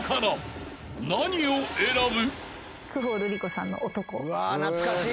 ［何を選ぶ？］